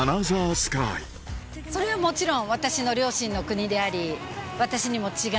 スカイそれはもちろん。